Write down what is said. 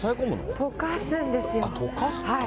溶かすんですよ。